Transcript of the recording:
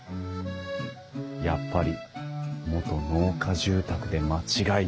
やっぱり元農家住宅で間違いない。